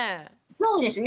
そうですね。